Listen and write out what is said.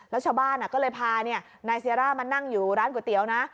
แล้วชาวบ้านก็เลยพานายซีร่ามานั่งอยู่ร้านก๋วยเตี๋ยวนะ